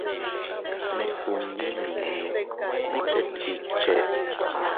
Ne kunni nmiñu mit tet ikche.